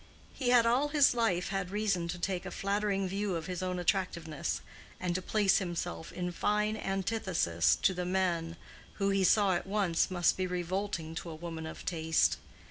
He had all his life had reason to take a flattering view of his own attractiveness, and to place himself in fine antithesis to the men who, he saw at once, must be revolting to a woman of taste.